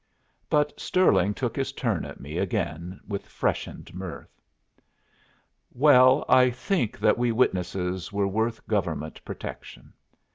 But Stirling took his turn at me again with freshened mirth. Well, I think that we witnesses were worth government protection.